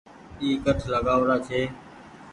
اي ڪٺ لآگآئو ڙآ ڇي ۔